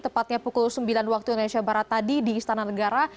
tepatnya pukul sembilan waktu indonesia barat tadi di istana negara